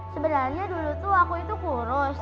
sebenarnya dulu tuh aku itu kurus